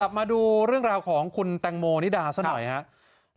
มาดูเรื่องราวของคุณแตงโมนิดาซะหน่อยครับ